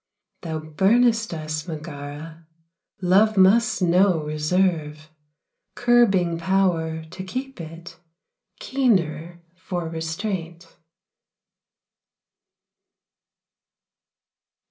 Thou burnest us, Megara, Love must know reserve, Curbing power to keep it Keener for restraint.